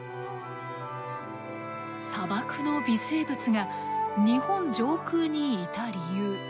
砂漠の微生物が日本上空にいた理由。